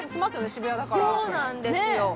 渋谷だからそうなんですよねえ